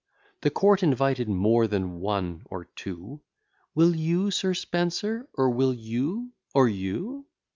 The court invited more than one or two: Will you, Sir Spencer? or will you, or you?